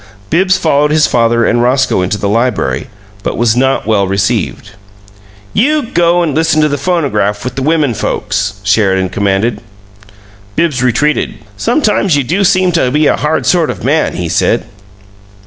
Bibbs followed his father and Roscoe into the library, but was not well received. "YOU go and listen to the phonograph with the women folks," Sheridan commanded. Bibbs retreated. "Sometimes you do seem to be a hard sort of man!" he said.